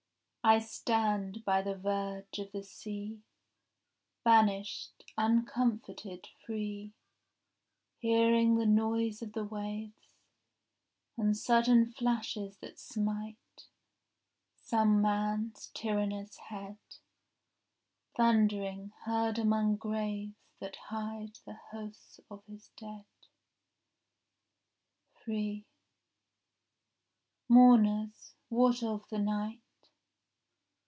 — I stand by the verge of the sea, Banished, uncomforted, free, Hearing the noise of the waves And sudden flashes that smite Some man's tyrannous head, Thundering, heard among graves That hide the hosts of his dead. 3 Mourners, what of the night?